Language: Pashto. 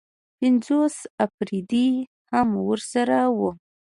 پنځوس اپرېدي هم ورسره وو.